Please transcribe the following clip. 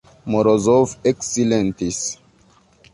Morozov eksilentis.